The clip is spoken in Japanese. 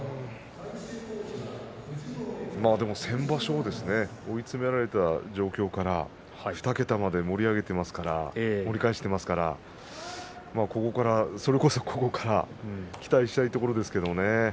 先場所、追い詰められた状況から２桁まで盛り返していますからここから、それこそ期待したいところですけどね。